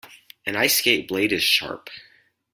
An ice skate blade is sharp.